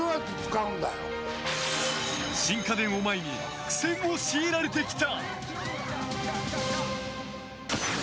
新家電を前に苦戦を強いられてきた。